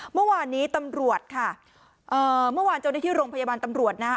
เมื่อวานนี้ตำรวจค่ะเอ่อเมื่อวานเจ้าหน้าที่โรงพยาบาลตำรวจนะฮะ